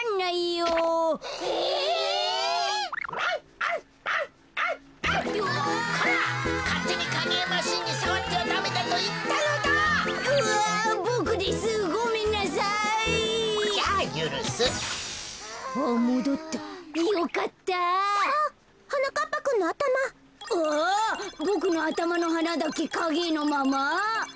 うわボクのあたまのはなだけかげえのまま？